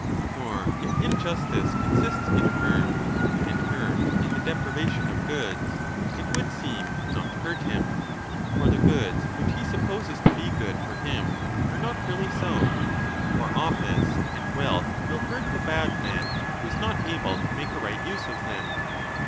For if injustice consists in hurt, and hurt in the deprivation of goods, it would seem not to hurt him. For the goods which he supposes to be good for him are not 15 really so. For office and wealth will hurt the bad man who is not able to make a right use of them.